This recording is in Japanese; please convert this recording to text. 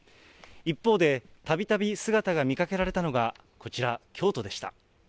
一方で、たびたび姿が見かけられたのが、こちら、京都でした。